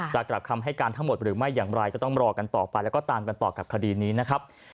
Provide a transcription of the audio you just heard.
จะกลับคำให้การทั้งหมดหรือไม่อย่างไรก็ต้องรอกันต่อไปแล้วก็ตามกันต่อกับคดีนี้นะครับ